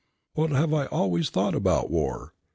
What have I always thought about war?